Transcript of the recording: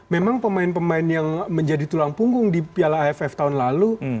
memang pemain pemain yang menjadi tulang punggung di piala aff tahun lalu